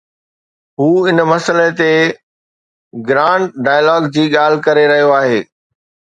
هو ان ئي مسئلي تي گرانڊ ڊائلاگ جي ڳالهه ڪري رهيو آهي.